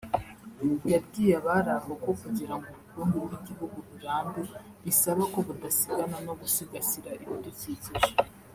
yabwiye abari aho ko kugira ngo ubukungu bw’igihugu burambe bisaba ko budasigana no gusigasira ibidukikije